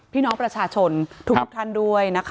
พี่น้องประชาชนทุกท่านด้วยนะคะ